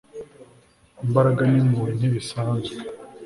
imbaraga n'impuhwe ntibisanzwe